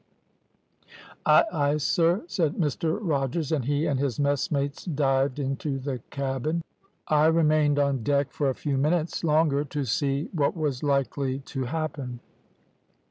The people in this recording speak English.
"`Ay, ay, sir,' said Mr Rogers, and he and his messmates dived into the cabin. I remained on deck for a few minutes longer to see what was likely to happen.